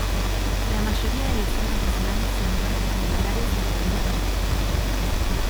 La mayoría de los himnos nacionales son marchas militares o poemas líricos.